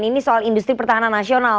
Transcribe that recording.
ini soal industri pertahanan nasional